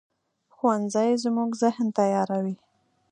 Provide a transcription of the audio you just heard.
ښوونځی زموږ ذهن تیاروي